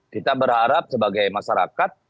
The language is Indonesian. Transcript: kita berharap sebagai masyarakat